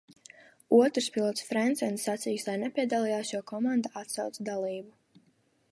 Otrs pilots, Frencens, sacīkstē nepiedalījās, jo komanda atsauca dalību.